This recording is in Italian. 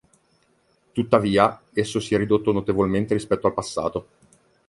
Tuttavia, esso si è ridotto notevolmente rispetto al passato.